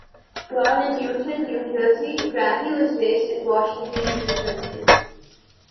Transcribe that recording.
Born in Newton, New Jersey, Bradley was raised in Washington, New Jersey.